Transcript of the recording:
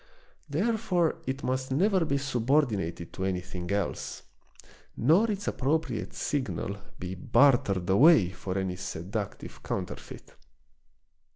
Therefore it must never be subordinated to anything else, nor its appropriate signal be bartered away for any seductive counterfeit.